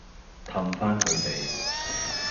氹返佢哋